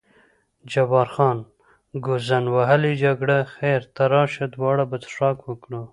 جبار خان: ګوزڼ وهلې جګړه، خیر ته راشه دواړه به څښاک وکړو.